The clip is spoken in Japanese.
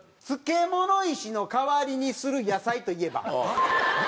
「漬物石の代わりにする野菜といえば？」。